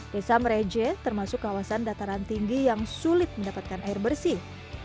desa mereje termasuk kawasan dataran tinggi yang sulit mendapatkan air bersih